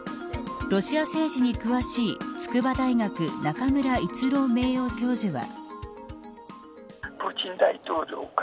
ロシア政治に詳しい筑波大学、中村逸郎名誉教授は。